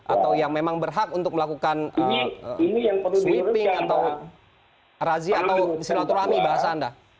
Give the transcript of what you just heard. atau yang memang berhak untuk melakukan sweeping atau razi atau silaturahmi bahasa anda